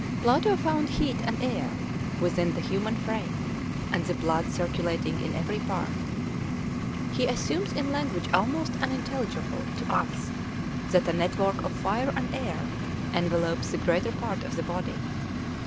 Plato found heat and air within the human frame, and the blood circulating in every part. He assumes in language almost unintelligible to us that a network of fire and air envelopes the greater part of the body.